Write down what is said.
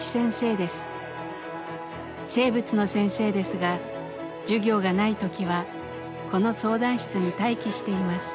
生物の先生ですが授業がない時はこの相談室に待機しています。